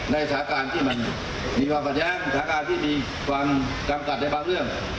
สถานการณ์ที่มันมีความขัดแย้งสถานการณ์ที่มีความจำกัดในบางเรื่อง